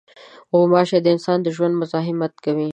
غوماشې د انسان د ژوند مزاحمت کوي.